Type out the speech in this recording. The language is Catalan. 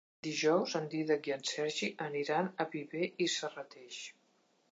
Dijous en Dídac i en Sergi aniran a Viver i Serrateix.